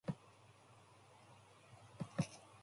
During the Gothic War, Capua suffered greatly.